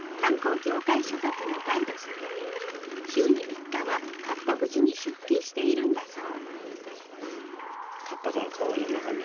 週に３日はカッパ淵に出勤しているんだそう。